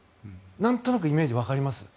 なんとなくイメージわかります？